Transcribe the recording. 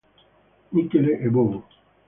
Michele e Bovo.